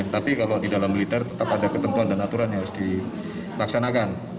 tapi kalau di dalam militer tetap ada ketentuan dan aturan yang harus dilaksanakan